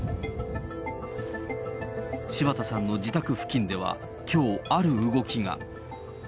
柴田さんの自宅付近では、きょう、ある動きが。